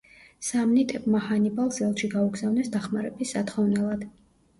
სამნიტებმა ჰანიბალს ელჩი გაუგზავნეს დახმარების სათხოვნელად.